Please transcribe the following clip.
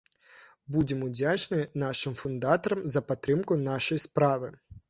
Будзем удзячныя нашым фундатарам за падтрымку нашай справы.